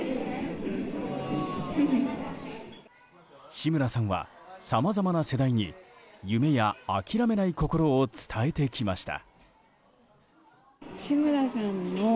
志村さんは、さまざまな世代に夢や諦めない心を伝えてきました。